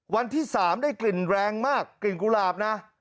วันที่๓ได้กลิ่นแรงมากกลิ่นกุหลาบนะ